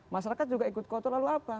masyarakat juga ikut kotor lalu apa